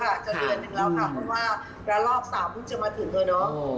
เพราะว่าระหลอก๒๓อาทิตย์ก็มาถึง